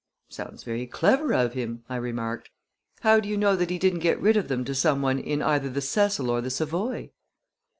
"Sounds very clever of him!" I remarked. "How do you know that he didn't get rid of them to some one in either the Cecil or the Savoy?"